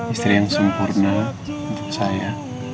istri yang sempurna untuk saya